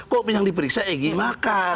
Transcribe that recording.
kok yang diperiksa egy makan